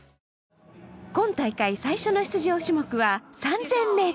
今大会最初の出場種目は３０００ｍ。